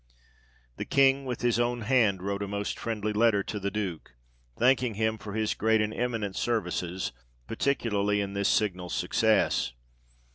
The King with his own hand wrote a most friendly letter to the Duke, thanking him for his great and eminent services, particularly in this signal success.